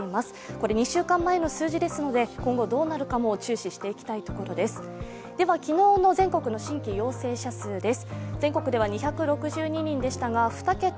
これ、２週間前の数字ですので、今後どうなるかも注視していきたいところです。